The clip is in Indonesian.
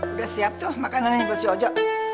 udah siap tuh makanannya buat si ojo